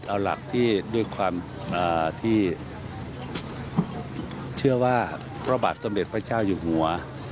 เอาหลักที่ด้วยความที่เชื่อว่าพระบาทสมเด็จพระเจ้าอยู่หัว